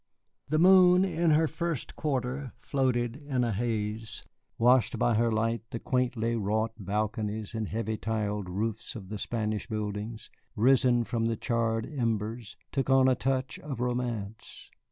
The moon, in her first quarter, floated in a haze. Washed by her light, the quaintly wrought balconies and heavy tiled roofs of the Spanish buildings, risen from the charred embers, took on a touch of romance.